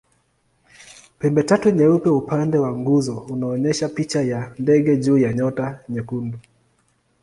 Pembetatu nyeupe upande wa nguzo unaonyesha picha ya ndege juu ya nyota nyekundu.